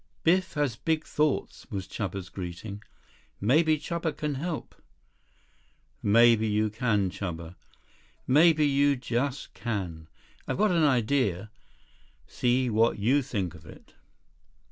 "Biff has big thoughts?" was Chuba's greeting. "Maybe Chuba can help." "Maybe you can, Chuba. Maybe you just can. I've got an idea. See what you think of it."